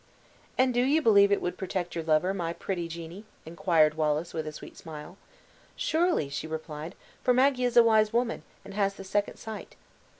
"And do you believe it would protect your lover, my pretty Jeannie?" inquired Wallace, with a sweet smile. "Surely," she replied; "for Madgie is a wise woman, and has the second sight."